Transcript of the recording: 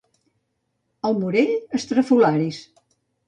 Al Morell, estrafolaris.